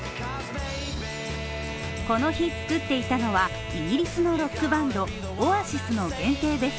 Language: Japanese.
この日、作っていたのはイギリスのロックバンド・オアシスの限定